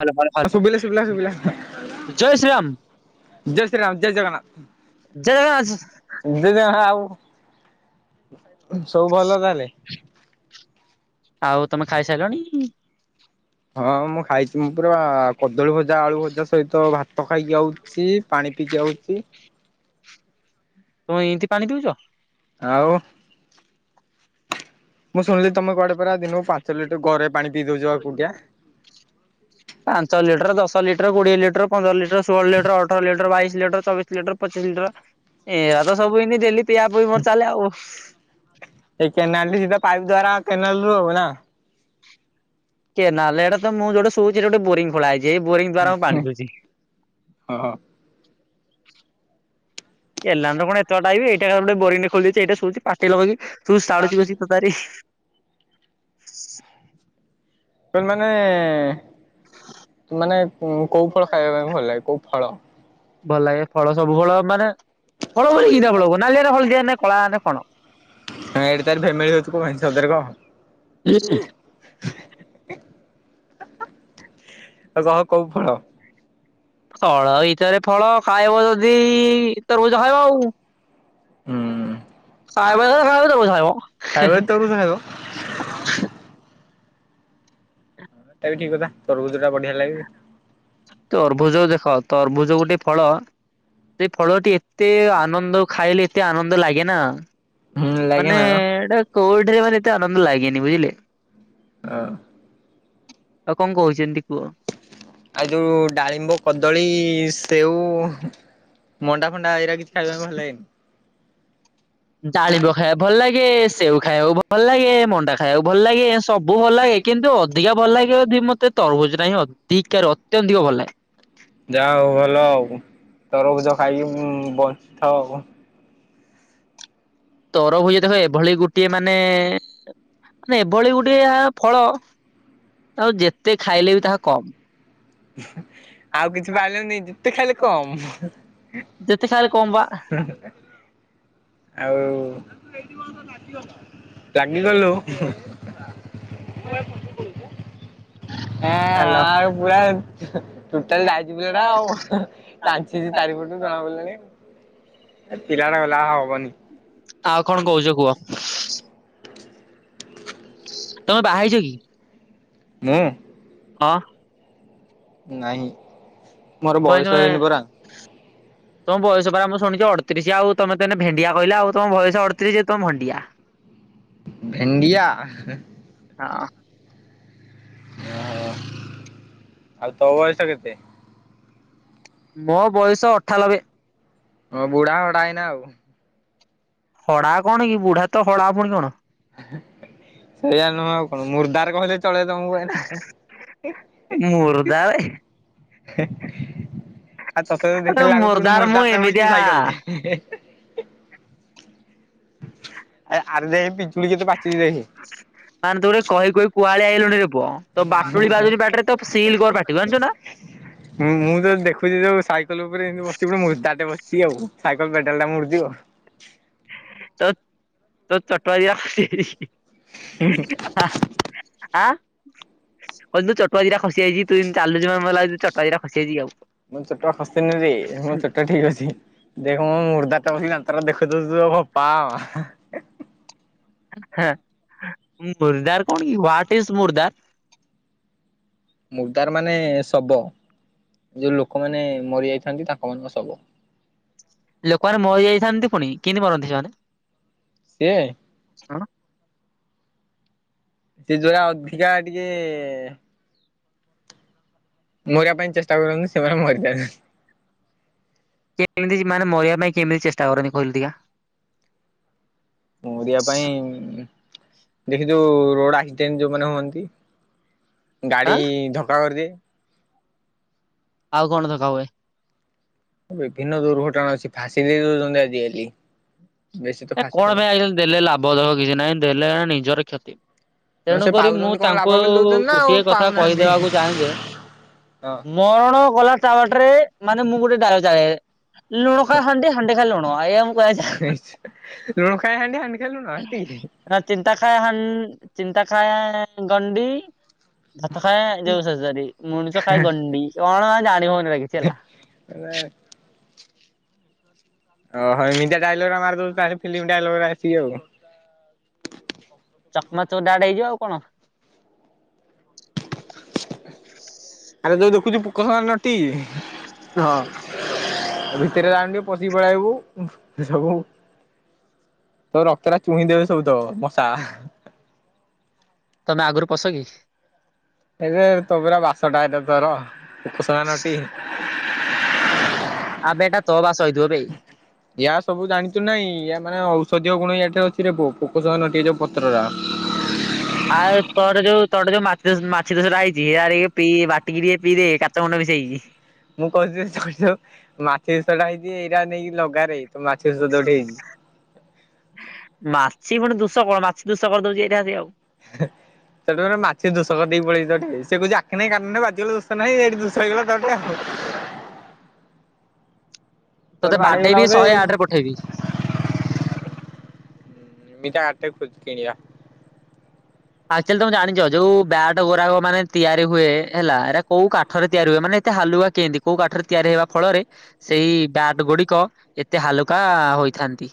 Hello hello ହଁ hello ଶୁବିଲା, ଶୁବିଲା, ଶୁବିଲା। ଜୟ ଶ୍ରୀରାମ ଜୟ ଶ୍ରୀରାମ, ଜୟ ଜଗନ୍ନାଥ। ଜୟ ଜଗନ୍ନାଥ ଉଁ, [unintelligible] ଆଉ ସବୁ ଭଲ ତାହେଲେ? ଆଉ ତୋମେ ଖାଇସାଇଲଣି? ହଁ ମୁଁ ଖାଇଛି ମୁଁ ପୁରା କଦଳୀ ଭଜା, ଆଳୁ ଭଜା ସହିତ ଭାତ ଖାଇକି ଆଉ ସି ପାଣି ପିଇକି ଆଉଛି। ତମେ ଏନ୍ତି ପାଣି ଦଉଚ। ଆଉ। ମୁଁ ଶୁଣିଲି ତମେ କୁଆଡେ ପରା ଦିନକୁ ପାଞ୍ଚ ଲିଟର ଗରେ ପାଣି ପି ଦଉଛ ପା ଏକୁଟିଆ। ପାଞ୍ଚ ଲିଟର, ଦଶ ଲିଟର, କୋଡିଏ ଲିଟର, ପନ୍ଦର ଲିଟର ଷୋହଳ, ଲିଟର ଅଠର, ଲିଟର, ବାଇଶ ଲିଟର ଚବିଶ ଲିଟର, ପଚିଶ ଲିଟର ଏରା ତ ସବୁ ହେନ୍ତି ଡେଲି ପିଆ ପିଇ ମୋର ଚାଲେ ଆଉ। ଏଇ କେନାଲ ଟି ସିଧା ପାଇପ୍ ଦ୍ଵାରା କେନାଲ ରୁ ହବ ନା। କେନାଲ୍ ହେଟା ତ ମୁଁ ଯୋଉଠି ଶୋଉଚି ସେଠି ଗୋଟେ ବୋରିଙ୍ଗି ଖୋଳା ହେଇଛି। ଏଇ ବୋରିଂ ଦ୍ଵାରା ମୁଁ ପାଣି ପିଉଛି। ହଁ [inaudible] କେନାଲ ରୁ କଣ ଏତେ ବାଟ ଆଇବି। ଏଇଟା ଗୋଟ ବୋରିଙ୍ଗେ ଖୋଳିଦେଇଚି ଏଇଠୁ ପାଟି ଲଗେଇକି ଶୁସାଡୁଚି ବସିକି ତତାରିକି। ତମକୁ ମାନେ ମାନେ କୋଉ ଫଳ ଖାଇବା ପାଇଁ ଭଲ ଲାଗେ କୋଉ ଫଳ? ଭଲ ଲାଗେ ଫଳ ସବୁ ଫଳ ମାନେ ଫଳ ବୋଲିି କିରା ଫଳ ନାଲିଆ ନା ହଳଦିଆ ନେ କଳା ନେ କଣ? ଏଠି ତାର ଫ୍ୟାମିଲ ଅଛି। କଣ? [unintelligible] କହ କୋଉ ଫଳ? ଫଳ ଭିତରେ ଫଳ ଖାଇବ ଯଦି ତରଭୁଜ ଖାଇବ ଆଉ। ହୁଁ। ଖାଇବ ଯଦି ଖାଇବ। ଯଦି ତୋ ରୁଚି ଖାଇବ। [unintelligible] ଏରା କି କଥା ତରୁଭୁଜ ଟା ବଢିଆ ଲାଗେ। ତରଭୁଜ ଦେଖ ତରଭୂଜ ଗୋଟେ ଫଳ ସେଇ ଫଳଟି ଏ ଏତେ ଆନନ୍ଦ ଖାଇଲେ ଏତେ ଆନନ୍ଦ ଲାଗେ ନା ହୁଁ ଲାଗେ ମାନେ ନା ଏଇଟା କୋଉଠାରେ ମାନେ ଏତେ ଆନନ୍ଦ ଲାଗେନି ବୁଝିଲେ। ହଁ। ଆଉ କଣ କହୁଛନ୍ତି କୁହ। ଆଉ ଯୋଉ ଡାଳିମ୍ବ, କଦଳୀ, ସେଉ ମଣ୍ଡା ଫଣ୍ଡା ଏଇରା କିଛି ଖାଇବା ପାଇଁ ଭଲ ଲାଗେନି? ଡାଳିମ୍ବ ଖାଇବାକୁ ଭଲ ଲାଗେ। ସେଉ ଖାଇବାକୁ ଭଲ ଲାଗେ। ମଣ୍ଡା ଖାଇବାକୁ ଭଲ ଲାଗେ। ସବୁ ଭଲ ଲାଗେ। କିନ୍ତୁ ଅଧିକା ଭଲ ଲାଗେ ଯଦି ମତେ ତରଭୁଜ ଟା ହିଁ ଅଧିକା ଅତ୍ୟଧିକ ଭଲ ଲାଗେ। ଯାହା ହଉ ଭଲ ଆଉ ତରଭୁଜ ଖାଇକି ବଞ୍ଚିଥା ଆଉ। ତରଭୂଜ ଦେଖ ଏଭଳି ଗୋଟିଏ ମାନେ ମାନେ ଏଭଳି ଗୋଟେ ଫଳ, ତାକୁ ଯେତେ ଖାଇଲେ ବି ତାହା କମ୍। [inaudible] ଆଉ କିଛି ପାଇଲନି ଯେତେ ଖାଇଲେ କମ୍। ଯେତେ ଖାଇଲେ କମ୍ ବା [unintelligible] ଆଉ ରାଗିଗଲୁ? [unintelligible] ହଁ ହାଲୋ ଆ ପୁରା ଟୋଟାଲ ରାଜ ପିଲା ଟା ଆଉ। ଚାଞ୍ଚିଛି ଚାରି ପଟୁ ଜଣା ପଡ଼ିଲାଣି ପିଲା ଟା ଗଲା ଆଉ ହବନି। ଆଉ କଣ କହୁଚ କୁହ। ତମେ ବାହାହେଇଚ କି? ମୁଁ? ହଁ। ନାଇଁ। କଣ ତମେ [inaudible] ତମ ବୟସ ପରା ମୁଁ ଶୁଣିଛି ଅଠତିରିଶ ଆଉ ତମେ ତ ଏଇନା ଭେଣ୍ଡିଆ କହିଲ ଆଉ ତମ ବୟସ ଅଡତିରିଶ ତମେ ଭେଣ୍ଡିଆ। ଭେଣ୍ଡିଆ। ହଁ। ଓହୋ। ଆଉ ତୋ ବୟସ କେତେ? ମୋ ବୟସ ଅଠାଲବେ। ହଁ ବୁଢା ହଡା ହେଇନା ଆଉ। ହଡା କଣ କି ବୁଢା ତ ହଡା ପୁଣି କଣ। ସେଇଆ ନୁହଁ ଆଉ କଣ ମୁର୍ଦାର କହିଲେ ଚଳେ ତମକୁ ଏଇନା। ମୁର ଦାରେ ହେ ଆଉ ତତେ ତ ଆବେ ଦେଖିଲେ ଲାଗୁଚି ପୁଣି ମୁର୍ଦାରେ ମୁଁ ମୁରଦାର ଟେ ଏମିତିଆ ବଇଚି ସାଇକେଲରେ ହେ ହେ ଏ ଆ ଆର ଦେଖ ପିଜୁଳି କେତେ ପାଚିଛି ଦେଖେ। ମାନେ ତୁ ଗୋଟେ କଇ କଇ କୁଆଳିଆ ହେଇଗଲୁଣି ରେ ପୁଅ ତୋ ବାଟୁଳି ବାଜୁନି ପାଟିରେ ତ ସିଲ କର ପାଟି ଜାଣିଚୁ ନା। [inaudible] ହୁଁ ମୁଁ ତତେ ଦେଖୁଛି ଯଉ ସାଇକେଲ ଉପରେ ଏନ୍ତି ବସିଛି ଗୁଟେ ମୁଦାର୍ ଟେ ବସିଚି ଆଉ ସାଇକେଲ ପେଡାଲ ଟା ମୁଡୁଚି ଆଉ। ତ ତ [unintelligible] ଆ କହିଲି ତୁ ଚଟୁଆ ଦି ଟା ଖସିଯାଇଚି ତୁ ଏନ୍ତି ଚାଲଚୁ ମତେ ଲାଗୁଛି ଚଟୁଆ ଦିଟା ଖସିଯାଇଚିକି ଆଉ - ମୋ ଚଟୁଆ ଖସିନିରେ ମୋ ଚଟୁଆ ଠିକ ଅଛି। ଦେଖମ ମୁର୍ଦାରଟା ବସି ଦାନ୍ତଟା ଦେଖେଇ ଦଉଚୁ ତ ବୋପା ମା। ହେଁ ମୁର୍ଦାର କଣ କି ୱାଟ ଇସ୍ ମୁର୍ଦାର? ମୁର୍ଦାର ମାନେ ଶବ ଯୋଉ ଲୋକମାନେ ମରିଯାଇଥାନ୍ତି ତାଙ୍କ ମାନଙ୍କ ଶବ। ଲୋକମାନେ ମରିଯାଇଥାନ୍ତି ପୁଣି କେମିତି ମରନ୍ତି ସେମାନେ? ସିଏ [inaudible] ସେ ଯୋରା ଅଧିକା ଟିକେ ଏ ମରିବା ପାଇଁ ଚେଷ୍ଟା କରନ୍ତୀ ସେମାନେ ମରିଯାନ୍ତି। କେମିତି ମାନେ ମରିବା ପାଇଁ କେମିତି ଚେଷ୍ଟା କରନ୍ତିି କହିଲୁ ଦେଖିବା। ମରିବା ପାଇଁ ଉଁ ହୁଁ। ଦେଖ ଯୋଉ ରୋଡ ଆକ୍ସିଡେଣ୍ଟ ଯୋଉମାନେ ହୁଅନ୍ତି। ଗାଡି ଆଁ ଧକ୍କା କରିଦିଏ। ଆଉ କଣ ଧକ୍କା ହୁଏ। ବିଭିନ୍ନ ଦୁର୍ଘଟଣା ଅଛି ଫାଶୀ ଦେଇ ଦଉଛନ୍ତି ଆଜିକାଲି। ବେଶୀ ତ ଏ ଫାଶୀରେ କଣ ପାଇଁ ନହେଲେ ଆଜିକାଲି ଦେଲେ ଲାଭ ଦେବ କିଛି ନାହିଁ ଦେଲେଏହା ନିଜର କ୍ଷତି। ତେଣୁ ସେ କରି ମୁଁ ପାଉଛନ୍ତି କଣ ଲାଭ ତାଙ୍କୁ ବୋଲି ଉ ଦଉଛନ୍ତି ନା ଆଉ ଗୋଟିଏ କଥା ପାଉନାହାନ୍ତି କହିଦବାକୁ ଚାହେଁ ଯେ ହଁ। ମରଣ ଗଲା ତା ବାଟରେ ମାନେ ମୁଁ ଗୁଟେ ଡାଳ ଚାହେ ଲୁଣ ଖାଏ ହାଣ୍ଡି ହାଣ୍ଡି ଖାଏ ଲୁଣ ଏଇଆ ମୁଁ କହିବାକୁ ଚାହେଁ। ହେ ଲୁଣ ଖାଏ ହାଣ୍ଡି ହାଣ୍ଡି ଖାଏ ଲୁଣ ଏତିକି ହି ଇ ନା ଚିନ୍ତା ଖାଏ ହା ଆ ଚିନ୍ତା ଖାଏ ଗଣ୍ଡି ଭାତ ଖାଏ ଯୋଉ ସରି ସରି ମୁଣିଷ ଖାଏ ଗଣ୍ଡି କଣ ଜାଣି ହଉନି ଏରା କିଛି ହେଲା। ହେ [inaudible] ଓହ ଏମିତିଆ ଡାଇଲଗରା ମାରିଦଉଚୁ ତାହେଲେ ଫିଲ୍ମ ଡାଇଲଗରା ଆସିକି ଆଉ ଚକମାଚୋର ଡାଇରେକଟ ହେଇଯିବ ଆଉ କଣ ଆରେ ଯଉ ଦେଖୁଚୁ ପୋକଖାଇବା ନଟି ହଁ। ଭିତରେ ଯାଉନୁ ଟିକେ ପଶିକି ପଳେଇଆଇବୁ ଉହୁଁ ସବୁ। ତ ରକ୍ତରା ଚୁହିଁ ଦେବେ ସବୁତକ ମଶା। ତମେ ଆଗରୁ ପଶ କି? ଏବେ ତୋ ପୁରା ବାସଟା ଏଇଟା ତୋର। ପୋକସୁଂଗା ନଟି। ଆବେ ଏଟା ତୋ ବାସ ହେଇଥିବ ବେ। ୟା ସବୁ ଜାଣିଚୁନାଇଁ ୟା ମାନେ ଔଷଧୀୟ ଗୁଣ ୟାଠେ ଅଛି ରେ ପୁଅ ପୋକସୁଂଗା ନଟିକେ ଏ ଯୋଉ ପତ୍ରରା। ଆଉ ତୋର ଯୋଉ ତୋଠେ ଯୋଉ ମାଛି ଦୋଷ ମାଛି ଦୋଷଟା ହେଇଛି ହିଆଡେ ଇଏ ପିଇ ବାଟିକି ଟିକେ ପିଇଦେ ତା ତ ମୁଣ୍ଡ ବି ସେଇ। ମୁଁ କହୁଛି ଯଉ ତୋଠିଯଉ ମାଛି ଦୋଷଟା ହେଇଛି ଏଇରା ନେଇକି ଲଗାରେ ତୋ ମାଛି ଦୋଷ ତୋଠେ ହେଇଛି ମାଛି ପୁଣି ଦୁଶ କଣ ମାଛି ଦୁଶ କରି ଦଉଚି ଏଇଠେ ଆସିକି ଆଉ। ହେ ହେ ସେଠୁ ଫେରେ ମାଛିଦୋଷ କରିଦେଇକି ପଳେଇ ତୋଠେ ସେ କହୁଛି ଆଖି ନାଇଁ କାନ ବାଜିିଗଲେ ଦୋଷ ଷ ନାଇଁ ଏଇଠି ଦୁଷହେଇଗଲା ତଠେ ଆଉ। ତୋତେ ତୋଠୁ ବାଡ଼େଇ ହେଇଗଲା ବାଡେଇବି ବୋଧେ। ଶହେ ଆଠ ରେ ପଠେଇବି। [unintelligible] ଆକ୍ଚୁଆଲି ତମେ ଜାଣିଛ ଯୋଉ ବ୍ୟାଟ ଗୁରାକ ମାନେ ତିଆରି ହୁଏ ହେଲା ଏରା କୋଉ କାଠରେ ତିଆରି ହୁଏ ମାନେ ଏତେ ହାଲୁକା କେମିତି କୋଉ କାଠରେ ତିଆରି ହେବା ଫଳରେ ସେଇ ବ୍ୟାଟ ଗୁଡ଼ିକ ଏତେ ହାଲୁକା ହୋଇଥାନ୍ତି।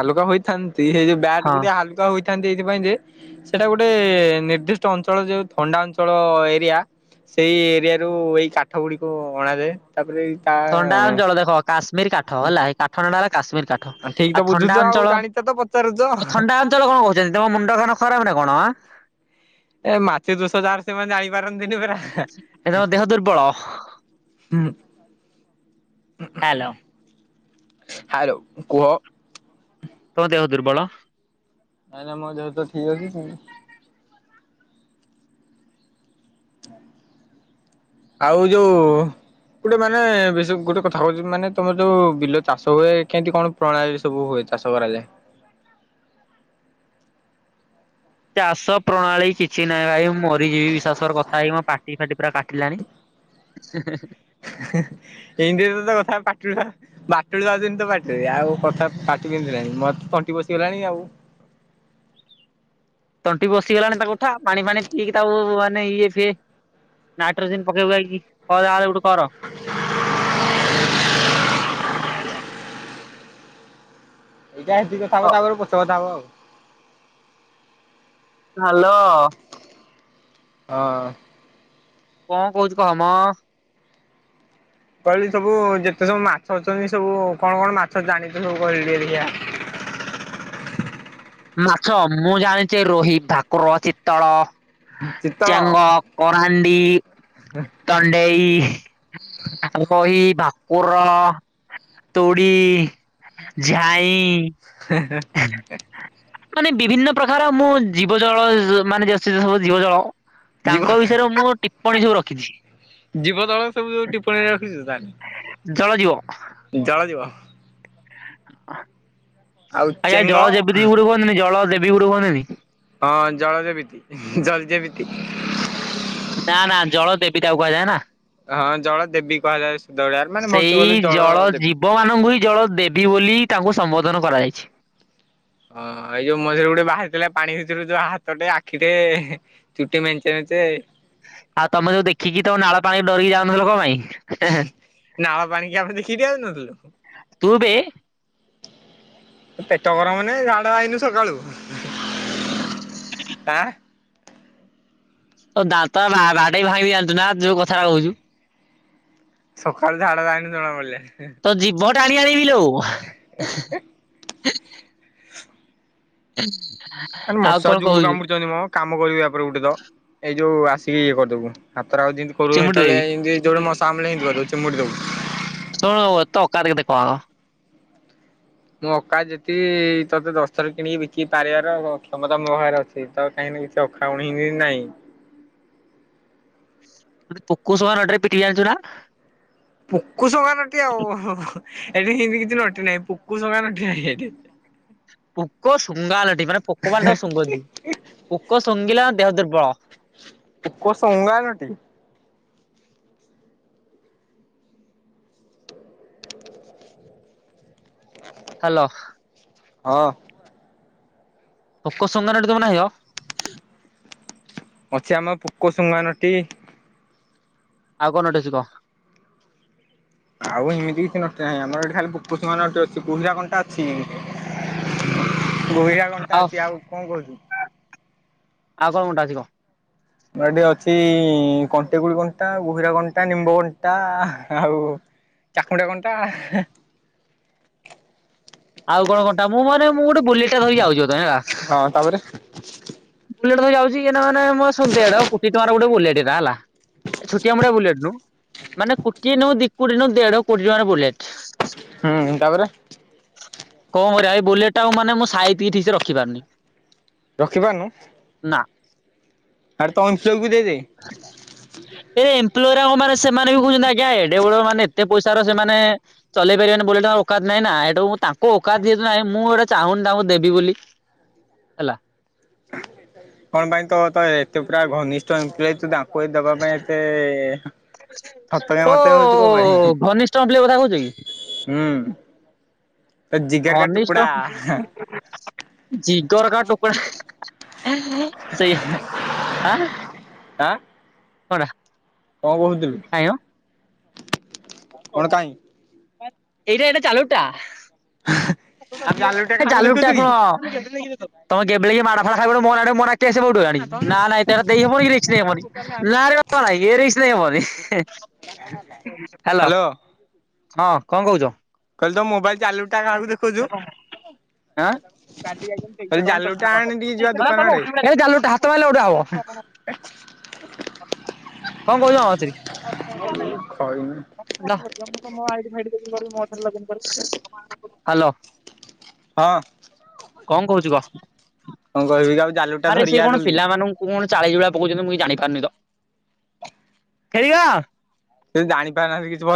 ହାଲୁକା ହୋଇଥାନ୍ତି ସେଇ ଯୋଉ ବ୍ୟାଟ ହଁ। ଗୁଡ଼ିଏ ହାଲୁକା ହୋଇଥାନ୍ତି ଏଇଥିପାଇଁ ଯେ ସେଇଟା ଗୋଟେ ନିର୍ଦ୍ଦିଷ୍ଟ ଅଞ୍ଚଳ ଯୋଉ ଥଣ୍ଡା ଅଞ୍ଚଳ ଏରିଆ ସେଇ ଏରିଆ ରୁ ଏଇ କାଠ ଗୁଡ଼ିକୁ ଅଣାଯାଏ ତାପରେ ତା ଥଣ୍ଡା ଅଞ୍ଚଳ ଦେଖ କାଶ୍ମୀର କାଠ ହେଲା ଏଇ କା ଥଣ୍ଡା ହେଲା କାଶ୍ମୀର କାଠ ଠିକ ତ ଆଉ ବୁଝୁଛ ଥଣ୍ଡା ଆଉ ଅଞ୍ଚଳ ଜାଣିଛ ତ ପଚାରୁଛ ଆଉ ଥଣ୍ଡା ଞ୍ଚଳ କଣ କହୁଛନ୍ତି ତମ ମୁଣ୍ଡଖାନ ଖରାପ ନାଁ କଣ? ଏ ମାଛେ ଦୁଷ ଯାହାର ସେମାନେ ଆଣିିପାରନ୍ତିନି ପରା। ଏ ତମ ଦେହ ଦୁର୍ବଳ ହୁଁ। ହ୍ୟାଲୋ। ହ୍ୟାଲୋ କୁହ। ତମ ଦେହଦୁର୍ବଳ ନାଇଁ ନାଇ ମୋ ଦେହ ତ ଠିକ ଅଛି ଆଉ। ଆଉ ଯୋଉ ଗୋଟେ ମାନେ ବେଶୀ ଗୋଟେ କଥା କହୁଛି ମାନେ ତମର ଯୋଉ ବିଲ ଚାଷ ହୁଏ କେମିତି କଣ ପ୍ରଣାଳୀ ସବୁ ହୁଏ ଚାଷ କରାଯାଏ। ଚାଷ ପ୍ରଣାଳୀ କିଛି ନାହିଁ ଭାଇ ମୁଁ ମରିଯିବି ବିଶାସର କଥା ହେଇ ମୋ ପାଟି ଫାଟି ପୁରା କାଟିଲାଣି। [inaudible] ଏଇତିରେ ତ ତ କଥା [unintelligible] ବାଟୁଳି ବାଜୁନି ତୋ ପାଟିରେ ଆଉ କଥା ପାଟି ବିନ୍ଧିଲାଣି ମୋର୍ ତ ତଣ୍ଟି ବଶିଗଲାଣି ଆଉ ତଣ୍ଟି ବସିଗଲାଣି ତାକୁ ଉଠା ପାଣି ଫାଣି ପିଇକି ତାକୁ ମାନେ ଇଏ ସିଏ ନାଇଟ୍ରୋଜେନ ପକେଇ ପୁକାକି ଖାରବେଳକୁ କର। ଏଇଟା ହେଟିକି କଥାହବ ତାପରେ ପଛେ କଥାହବ ଆଉ। ହ୍ୟାଲୋ ହଁ। କଣ କହୁଛୁ କହ ମ? କହିଲୁ ସବୁ ଯେତେ ସବୁ ମାଛ ଅଛନ୍ତି ସବୁ କଣ କଣ ମାଛ ଜାଣିଛୁ ସବୁ କହିକୁ ଟିକେ ଦେଖିଆ। ମାଛ ମୁଁ ଜାଣିଛି ରୋହି ଭାକୁର ଶୀତଳ ଚିତଳ ଚେଙ୍ଗ କରାଣ୍ଡି ତଣ୍ଡେଇ ଆ ରୋହି ଭାକୁର। ତୋଡି ଝାଇଁ। ହେ ହେ [inaudible] ମାନେ ବିଭିନ୍ନ ପ୍ରକାର ମୁଁ ଜୀବ ଜଳ ମାନେ ସବୁ ଜୀବ ଜଳ। ଜୀବ ତାଙ୍କ ବିଷୟରେ ମୁଁ ଟିପ୍ପଣୀ ସବୁ ରଖିଛି। ଜୀବ ଦଳ ସବୁ ଯୋଉ ଟିପଣୀରେ ରଖିଛୁ ତାହେଲେ। ଜଳ ଜୀବ। ଜଳ ଯିବ। ଆଉ ଚେଙ୍ଗ [unintelligible] ହଁ ଜଳଯେବିତି ଜଳଯେବିତି। ନା ନା ଜଳ ଦେବି ତାକୁ କୁହାଯାଏ ନା। ହଁ ଜଳ ଦେବି କୁହାଯାଏ [unintelligible] ଭୁବ ମାନଙ୍କୁ ହିଁ ଜଳ ଦେବି ବୋଲି ତାଙ୍କୁ ସମ୍ବୋଧନ କରାଯାଇଛି। ଓଁ ଏଇ ଯୋଉ ମଝିରେ ଗୋଟେ ବାହାରିଥିଲା ପାଣି ଭିତରୁ ଯୋଉ ହାତଟେ ଆଖିଟେ ହେ ଚୁଟି ମେଞ୍ଚେ ମେଞ୍ଚେ ଆଉ ତମେ ଯୋଉ ଦେଖିକି ତମ ନାଳ ପାଣି ଡରିକି ଯାଉନଥିଲ କଣ ପାଇଁ ହେ ହେ ନାଳ ପାଣି କି ଆମେ ଦେଖିକି ଠିଆଉନଥୁଲୁ? ତୁବେ ପେଟ ଗରମନେ, ଝାଡ଼ା ଆଇନୁ ସକାଳୁ! ଆଁ। ତୋ ଦାନ୍ତ ବା-ବାଡେଇକି ଭଙ୍ଗିବି ଜାଣଚୁନା, ଯୋଉ କଥାରା କହୁଚୁ? ସକାଳୁ ଝାଡା ଯାଇନୁ, ଜଣା ପଡ଼ିଲେ। ତୋ, ଯିଭ ଟାଣି ଆଣିବି ଲୋ! [unintelligible] ଆ ମଶା କଣ ଯୁର କହୁଛୁ। କାମୁଡୁଚନି ମଁ? କାମ କରିବାପରେ ଗୁଟେ ତ! ଏଇ ଯୋଉ ଆସିକି ଇଏ କରିଦବୁ। ହାତରେ ଆଉ ଯିଁତି କରୁ ଚିମୁଟି ହେତେଁବେଳେ ଦେବି। ଇଁତି, ଯଉଠେ ମଶା ଆମୁଡ଼ିଲେଁ, ଚିମୁଡ଼ି ଦବୁ। ଶୁଣୁ ତ ଅକାତ୍ କେତେ କହ? ମୁଁ, ଅକାତ ଯେତିକି, ତୋତେ ଦଶଥର କିଣିକି, ବିକି ପାରିବାର କ୍ଷମତା ମୋ ବାଖେରେ ଅଛି। ହେଇ ତ କାହିଁକିନା କିଛି, ଅଖାଉଣୀ ହିଁ କି ନାଇଁ। ତୋତେ ପୋକସମାନ ଆଡ଼୍ ରେ ପାଟିବି, ଜାଣିଛୁ ନା! ପୋକ ସମାନଟି ଆଉଁ, ହୁଁ, ହୁଁ ଏଠି ହିଁତି କିଛି ନଟି ନାହିଁ। ପୋକ ସମାନଟି ହେଇଠି ପୋକ ଶୁଙ୍ଘାଲଟି! ମାନେ, ପୋକ ମାନେ ତାକୁ ଶୁଙ୍ଘନ୍ତି। ପୋକ ଶୁଙ୍ଘିଲା ଦେହ ଦୁର୍ବଳ। ପୋକ ଶୋଙ୍ଗା ନଟି ହ୍ୟାଲୋ। ହଁ। ପୋକ ସଙ୍ଗାନଟି ତମେ ନାହିଁହ! ଅଛି, ଆମ ପୋକ ଶୁଙ୍ଗାନଟି। ଆଉ କଣ ନଟି ଅଛି କହ? ଆଉ, ଏମିତି କିଛି ନଟି ନାହିଁ। ଆମର ଏଠି ଖାଲି ପୁକଶୁଂଘା ନଟି ଅଛି। କୁହିରା କଣ୍ଟା ଅଛି। ଗୁହିରା କଣ୍ଟା ଅଛି। ଆଉ କଣ କହୁଛୁ? ଆଉ କଣ, କଣ୍ଟା ଅଛି କହ? ମୋ ଏଠି ଅଛି-ଇଁ କଣ୍ଟେ କୁଳି କଣ୍ଟା ଗୁହିରା କଣ୍ଟା, ନିମ୍ବ କଣ୍ଟା ଆଉ ଚାକୁଣ୍ଡା କଣ୍ଟା। ଆଉ କଣ କଣ୍ଟା? ମୁଁ ମାନେ ମୁଁ ଗୁଟେ ବୁଲିଟ୍ ଟା ଧରି ଯାଉଛି, ପଥମେ ହେଲା। ହଁ ତାପରେ ବୁଲେଟ୍ ଧରି ଯାଉଛି। ଏଇନା ମାନେ ମ ସୁନ ଧେଢ଼ କୁଟି ଟଙ୍କାର ଗୋଟେ ବୁଲେଟଟା ହେଲା ଛୁଟିଆ ମୁଟିଆ ବୁଲେଟ୍ ନୁହୁଁ। ମାନେ କୁଟିଏ ନୁ, ଦି କୁଟି ନୁ, ଦେଢ କୋଡି ଟଙ୍କାର ବୁଲେଟ୍। ହୁଁ ତା'ପରେ କଣ କରିଆ? ଏଇ ବୁଲେଟ୍ ଟା ଆଉ ମାନେ ମୁଁ ସାଇତିକି ଠିକ୍ ସେ ରଖିପାରୁନି। ରଖିପାନୁ? ନା। ଆରେ ତ ଅଂଶକୁ ଦେଇଦେ। ଏ ଏମ୍ପ୍ଲୋଇରାଗ, ମାନେ ସେମାନେ ବି କହୁଛନ୍ତି ଆଜ୍ଞା, ଏଡେ ବଡ ମାନେ, ଏତେ ପଇସାର ସେମାନେ ଚଲେଇ ପାରିବାନି, ବୁଲେଟ୍ ତାଙ୍କ ଓକାତ୍ ନାଇଁ ନା! ତାଙ୍କ ଓକାତ୍ ଯେହେତୁ ନାହିଁ, ମୁଁ ଗୋଟେ ଚାହୁଁନି ତାଙ୍କୁ ଦେବି ବୋଲି ହେଲା? କଣ ପାଇଁ ତ, ତ, ଏତେ ପୁରା ଘନିଷ୍ଠ ଏମ୍ପ୍ଲଇ ତୁ ଦାନ୍ କୋଇ ଦବା ପାଇଁ, ଏତେ-ଏ ହଁ। ଓ-ଓ-ଓ-ଓ-ଓ, ଘନିଷ୍ଠ ଏମ୍ପ୍ଲଇ କଥା କହୁଛି କି? ହୁଁ। ତୋ ଜିଗର କା ଘନିଷ୍ଟ ଟୁକୁଡା ଜିଗର୍ କା ଟୁକ୍ଡା। ସେଇଆ ଆଁ ଆଁ କରାଁ କଣ କହୁଥିଲୁ? କଣ କାଇଁ? ଏଇଟା ଏଟା ଚାଲୁ ଟା! ହାଁ ହା। ହେ, ଜାଲୁ ଟା ଶୁଣ-ଅ, ତମେ ଗେବେଳେଇକି ମାଡ ଫାଡ ଖାଇବ। ମୋ ରାଣେ ମୋ ନାଖ୍ ଏତେ ଆସି କଉଠୁ ହେଲାଣି ନା ନା, ଏତେ ହେରା ଦେଇ ହବନି କି, ରିସ୍କ ନେଇ ହବନି। [unintelligible] ଏ ରୀସ୍କ ନେଇ ହବନି। ହ୍ୟାଲୋ। ହଁ କଣ କହୁଛ? କହିଲି ତ ମୋବାଇଲ [unintelligible] କାହାକୁ ଦେଖଉଛୁ। ଆଁ [unintelligible] କହିଲି ହାତ ଜାଲୁଟା ଆଣେ ଟିକେ ଯିବା ଦୋକାନ ଆଡେ ମାଇଲେ ଉଠା ହବ। [inaudible] କଣ କହୁଚ। କହିନି [unintelligible] ମୁଁ ତମ ଆଇଡି ଫାଇଡି ମୋ ଥରେ ଲଗନି [unintelligible] ହାଲୋ। ହଁ। କଣ କହୁଚୁ କହ। କଣ କହିବି ଆଉ ଜାଲୁ ଟା ଆରେ ସେ ଧରିକି ଆ କଣ ଜଲଦି। ପିଲାମାନଙ୍କୁ କଣ ଚାଳିଶ [unintelligible] ପକଉଛନ୍ତି ମୁଁ ଜାଣିପାରୁନି ତ। ଖେଲିବା ସେ ଜାଣିପାରିଲାନି କିଛି ଭଲ।